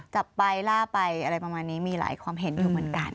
จับไปล่าไปอะไรประมาณนี้มีหลายความเห็นอยู่เหมือนกัน